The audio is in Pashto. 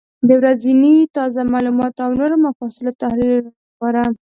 د ورځني تازه معلوماتو او نورو مفصلو تحلیلونو لپاره،